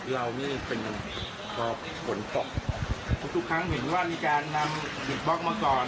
เรานี่เป็นพอผลปก